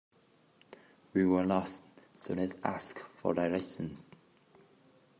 We were lost, so Nate asked for directions.